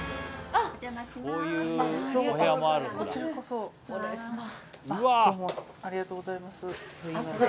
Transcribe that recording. ありがとうございます